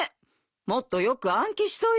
もっとよく暗記しといで。